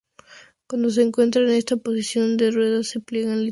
Cuando se encuentra en esta posición, sus ruedas se pliegan lateralmente.